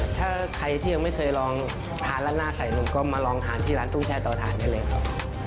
ถ้าใครที่ยังไม่เคยลองทานร้านหน้าไข่นมก็มาลองทานที่ร้านตุ้งแช่ต่อทานได้เลยครับ